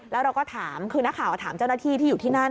แล้วเราก็ถามคือนักข่าวถามเจ้าหน้าที่ที่อยู่ที่นั่น